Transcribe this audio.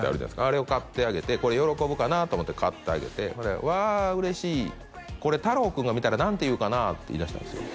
あれを買ってあげてこれ喜ぶかなと思って買ってあげてほんで「わあ嬉しい」「これタロウ君が見たら何て言うかな？」って言いだしたんですよ